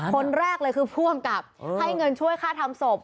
คนแรกเลยคือผู้อำกับให้เงินช่วยค่าทำศพ